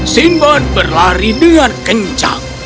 sinbad berlari dengan kencang